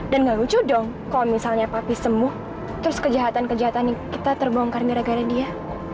dan nggak lucu dong kalau misalnya papi sembuh terus kejahatan kejahatan kita terbongkar gara gara dia